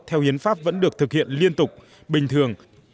theo hiến pháp vẫn được thực hiện liên tục bình thường